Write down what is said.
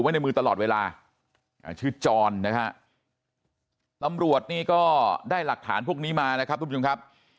ไว้ในมือตลอดเวลาชื่อจรนะครับนำรวจนี่ก็ได้หลักฐานพวกนี้มานะครับ